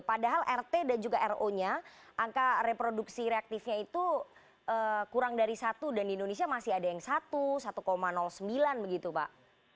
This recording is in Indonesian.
padahal rt dan juga ro nya angka reproduksi reaktifnya itu kurang dari satu dan di indonesia masih ada yang satu satu sembilan begitu pak